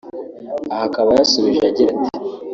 Aha akaba yasubije agira ati